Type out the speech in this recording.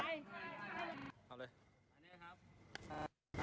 บางทีจริงไหนที่ป้องกัด